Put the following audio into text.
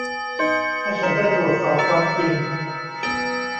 ให้ฉันได้ตรวจสอบความจริง